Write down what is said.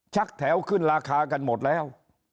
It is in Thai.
แถวขึ้นราคากันหมดแล้ว